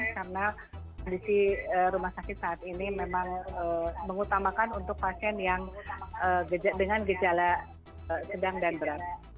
karena kondisi rumah sakit saat ini memang mengutamakan untuk pasien yang dengan gejala sedang dan berat